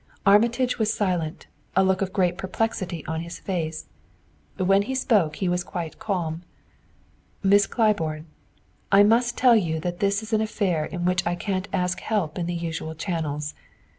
Armitage was silent, a look of great perplexity on his face. When he spoke he was quite calm. "Miss Claiborne, I must tell you that this is an affair in which I can't ask help in the usual channels.